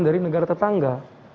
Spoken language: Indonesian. dari negara tetangga